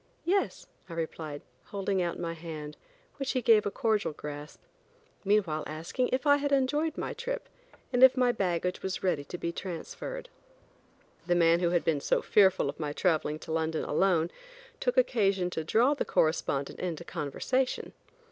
"Yes," I replied, holding out my hand, which he gave a cordial grasp, meanwhile asking if I had enjoyed my trip, and if my baggage was ready to be transferred. The man who had been so fearful of my traveling to London alone, took occasion to draw the correspondent into conversation.